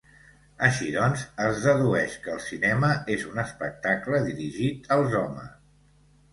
Així doncs, es dedueix, que el cinema és un espectacle dirigit als homes.